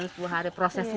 prosesnya tapi yang penting